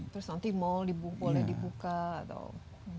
terus nanti mal boleh dibuka atau